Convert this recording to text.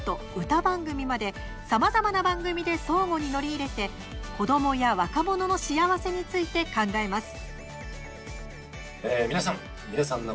歌番組まで、さまざまな番組で相互に乗り入れて子どもや若者の幸せについて考えます。